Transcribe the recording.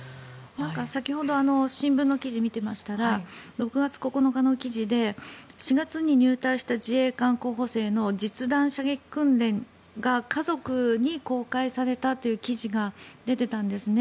先ほど新聞の記事を見ていましたら６月９日の記事で４月に入隊した自衛官候補生の実弾射撃訓練が家族に公開されたという記事が出ていたんですね。